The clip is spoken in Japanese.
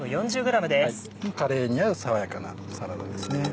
カレーに合う爽やかなサラダですね。